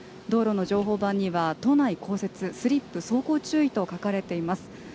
道路の情報板には都内降雪スリップ走行注意と書かれています。